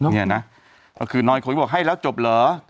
เนี่ยนะก็คือน้อยคนก็บอกให้แล้วจบเหรอ